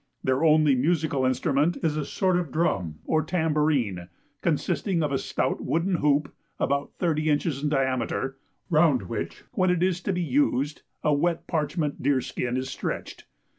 Their only musical instrument is a sort of drum or tambourine, consisting of a stout wooden hoop, about 30 inches in diameter, round which, when it is to be used, a wet parchment deer skin is stretched.